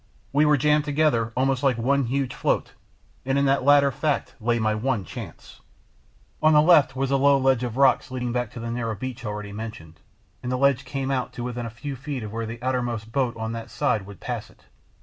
We were jammed together almost like one huge float and in that latter fact lay my one chance. On the left was a low ledge of rocks leading back to the narrow beach already mentioned, and the ledge came out to within a few feet of where the outmost boat on that side would pass it.